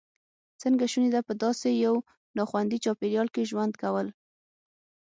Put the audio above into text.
څنګه شونې ده په داسې یو ناخوندي چاپېریال کې ژوند کول.